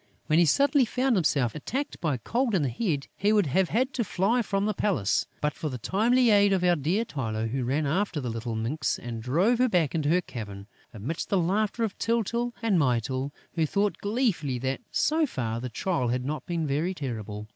When he suddenly found himself attacked by Cold in the Head, he would have had to fly from the palace, but for the timely aid of our dear Tylô, who ran after the little minx and drove her back to her cavern, amidst the laughter of Tyltyl and Mytyl, who thought gleefully that, so far, the trial had not been very terrible.